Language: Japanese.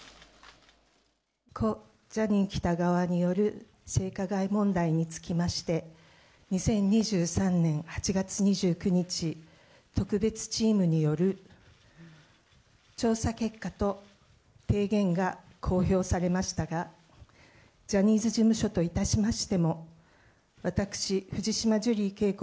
故・ジャニー喜多川による性加害問題につきまして、２０２３年８月２９日、特別チームによる調査結果と提言が公表されましたが、ジャニーズ事務所といたしましても、私、藤島ジュリー景子